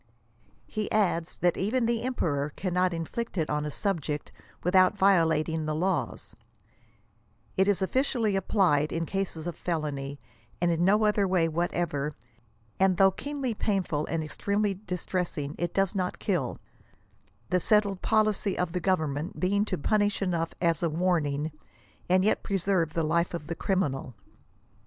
He adds that even tlie emperor cannot inflict it on a subject, without violating the laws^ " It is oflScially applied, in cases of felony, and in no other way whatever, and though keenly painful and extremely distressing, it does not kill ; the settled policy of tl^ government being to punish enough as a warning, and yet preserve the life of the criminal.